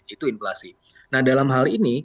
itu inflasi nah dalam hal ini